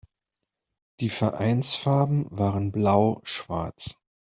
Die Vereinsfarben waren blau-schwarz.